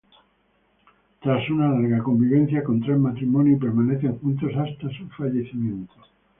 Tras una larga convivencia, contraen matrimonio y permanecen juntos hasta su fallecimiento.